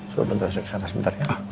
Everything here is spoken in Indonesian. soal bentar saya kesana sebentar ya